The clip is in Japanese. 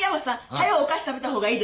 早うお菓子食べた方がいいですよ。